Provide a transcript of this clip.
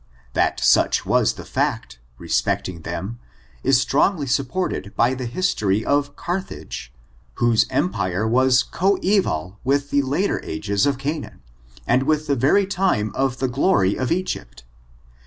That such was the fact, respecting them, is strongly sup ported by the history of Carthage, whose empire was coeval with the latter ages of Canaan, and with tho very time of the glory of Egypt.